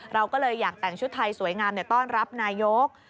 เราก็เลยอยากแต่งชุดไทยสวยงามต้อนรับนายก